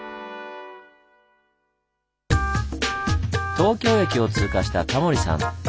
東京駅を通過したタモリさん。